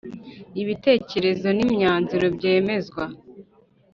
ibitekerezo n imyanzuro byemezwa.